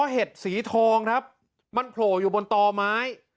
เห็ดสีทองครับมันโผล่อยู่บนต่อไม้